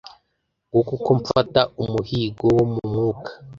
Nguko uko mfata umuhigo wo mu mwuka.